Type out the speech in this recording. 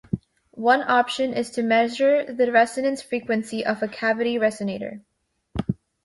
One option is to measure the resonance frequency of a cavity resonator.